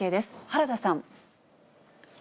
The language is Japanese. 原田さん。